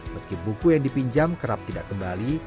meski buku yang dipinjam kerap tidak kembali